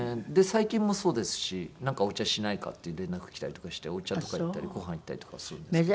最近もそうですしなんか「お茶しないか」っていう連絡来たりとかしてお茶とか行ったりごはん行ったりとかするんですけど。